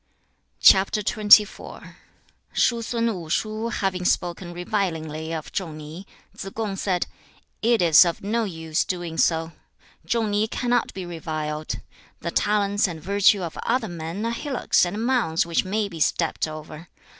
XXIV. Shu sun Wu shu having spoken revilingly of Chung ni, Tsze kung said, 'It is of no use doing so. Chung ni cannot be reviled. The talents and virtue of other men are hillocks and mounds which may be stepped over.